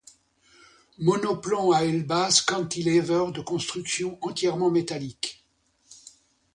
Monoplan à aile basse cantilever de construction entièrement métallique.